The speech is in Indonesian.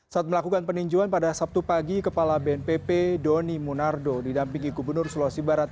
saat melakukan peninjuan pada sabtu pagi kepala bnpb doni monardo didampingi gubernur sulawesi barat